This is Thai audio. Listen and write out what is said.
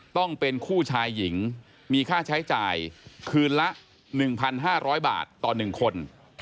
ต้องเป็นคู่ชายหญิงมีค่าใช้จ่ายคืนละ๑๕๐๐บาทต่อ๑คน